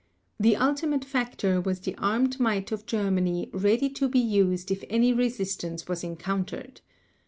The ultimate factor was the armed might of Germany ready to be used if any resistance was encountered.